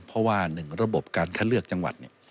เพราะว่า๑ระบบการคัดเลือกจังหวัด